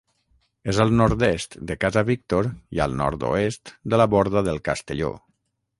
És al nord-est de Casa Víctor i al nord-oest de la Borda del Castelló.